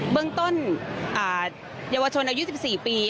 เบื้องต้นเยาวชนอายุ๑๔ปี